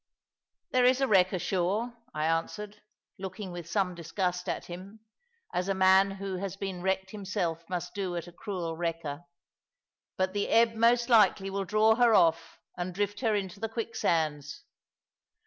"There is a wreck ashore," I answered, looking with some disgust at him, as a man who has been wrecked himself must do at a cruel wrecker; "but the ebb most likely will draw her off and drift her into the quicksands."